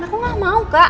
aku gak mau kak